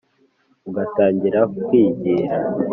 Ugatangira kwigira